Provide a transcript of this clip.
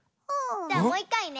じゃあもういっかいね。